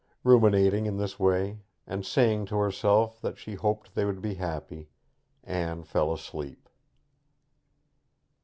Ruminating in this way, and saying to herself that she hoped they would be happy, Anne fell asleep.